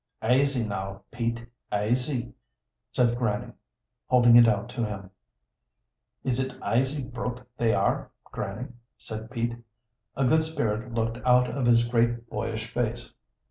"Aisy, now, Pete aisy," said Grannie, holding it out to him. "Is it aisy broke they are, Grannie?" said Pete. A good spirit looked out of his great boyish face.